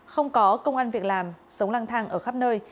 không có công an việc làm sống lang thang ở khắp nơi